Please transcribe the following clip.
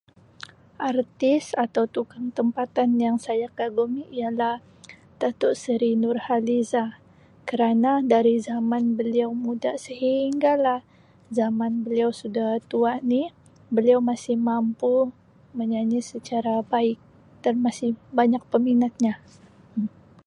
Artis atau tukang tempatan yang saya kagumi ialah Dato' Sri Nurhaliza kerana dari zaman beliau muda sehinggalah zaman beliau sudah tua ni beliau masih mampu menyanyi secara baik dan masih banyak peminatnya Um.